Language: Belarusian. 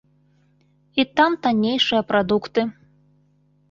І там таннейшыя прадукты.